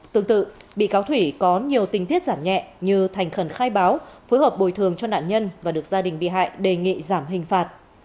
tương tự bị cáo thủy có nhiều tình tiết giảm nhẹ như thành khẩn khai báo phối hợp bồi thường cho nạn nhân và được gia đình bị hại đề nghị giảm hình phạt